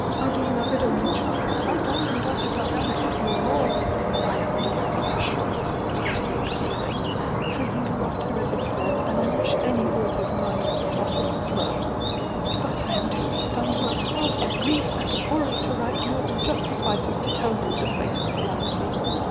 Our beloved only child our darhng daughter Diana is no more ! I am aware whai a shock this will be to your feelings, for you Joved her as a friend, and I wish any words of mine could soften the blow. But I am too stunned my self witn grief and horror to write more than just suffices to tell you of the fatal calamity.